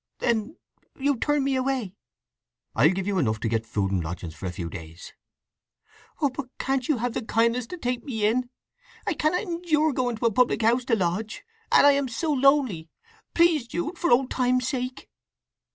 "Then you turn me away?" "I'll give you enough to get food and lodging for a few days." "Oh, but can't you have the kindness to take me in? I cannot endure going to a public house to lodge; and I am so lonely. Please, Jude, for old times' sake!"